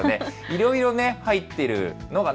いろいろ入っているのが